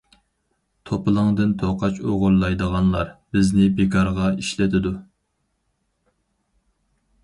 « توپىلاڭدىن توقاچ ئوغرىلايدىغانلار» بىزنى بىكارغا ئىشلىتىدۇ.